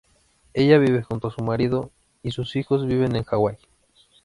Ella vive junto a su marido, y sus hijos viven en Hawái.